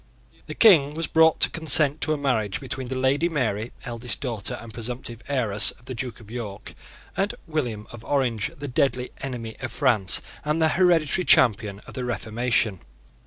The King was brought to consent to a marriage between the Lady Mary, eldest daughter and presumptive heiress of the Duke of York and William of Orange, the deadly enemy of France and the hereditary champion of the Reformation.